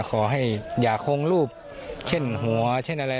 ขอให้อย่าคงรูปเช่นหัวเช่นอะไร